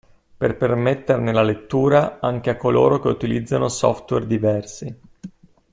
Per permetterne la lettura anche a coloro che utilizzano software diversi.